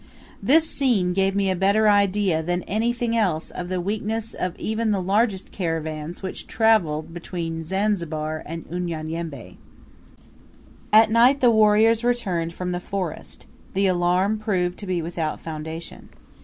This scene gave me a better idea than anything else of the weakness of even the largest caravans which travelled between Zanzibar and Unyanyembe. At night the warriors returned from the forest; the alarm proved to be without foundation.